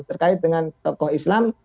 terkait dengan tokoh islam